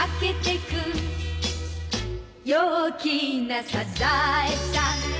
「陽気なサザエさん」